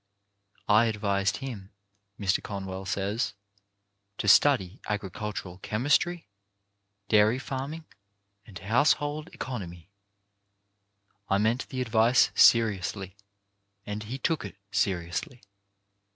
"I advised him," Mr. Conwell says, "to study agricultural chemistry, dairy farming and household economy. I meant the advice seriously, and he took it seriously.